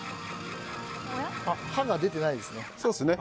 刃が出てないですね。